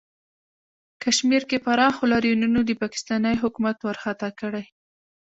کشمیر کې پراخو لاریونونو د پاکستانی حکومت ورخطا کړی